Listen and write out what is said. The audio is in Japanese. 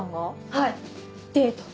はいデート。